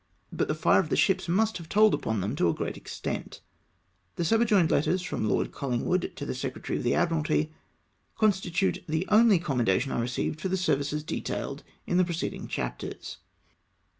But the fire of the ships must have told upon them to a great extent. The subjoined letters from Lord CoUingwood to the Secretary of the Admiralty constitute the only commend LETTER FROM LORD COLLINGWOOD. 317 ations I received for the services detailed in the pre ceding chapters.